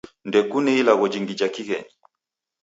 Ndekune ilagho jingi ja kighenyi.